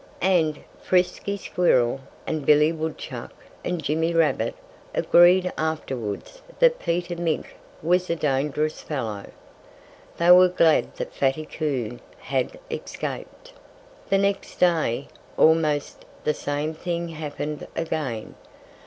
And Frisky Squirrel and Billy Woodchuck and Jimmy Rabbit agreed afterwards that Peter Mink was a dangerous fellow. They were glad that Fatty Coon had escaped. The next day, almost the same thing happened again.